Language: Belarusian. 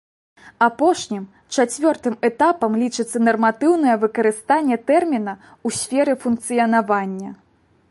Апошнім, чацвёртым этапам лічыцца нарматыўнае выкарыстанне тэрміна ў сферы функцыянавання.